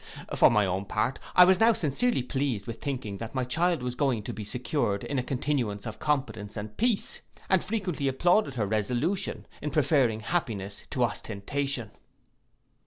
For my own part, I was now sincerely pleased with thinking that my child was going to be secured in a continuance of competence and peace, and frequently applauded her resolution, in preferring happiness to ostentation.